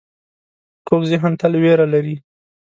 کوږ ذهن تل وېره لري